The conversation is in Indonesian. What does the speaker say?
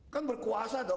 kan berkuasa dong